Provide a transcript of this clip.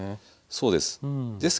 そうです。